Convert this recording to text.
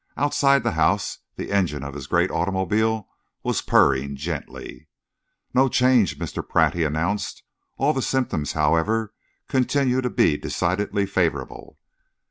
Outside the house, the engine of his great automobile was purring gently. "No change, Mr. Pratt," he announced. "All the symptoms, however, continue to be decidedly favourable."